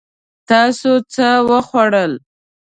تاسو څه وخوړل؟